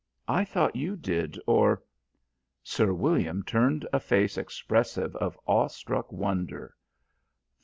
I thought you did, or " Sir William turned a face expressive of awe struck wonder.